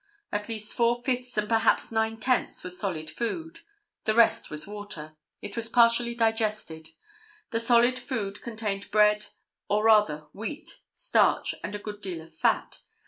At least four fifths and perhaps nine tenths was solid food. The rest was water. It was partially digested. The solid food contained bread or rather wheat, starch and a good deal of fat.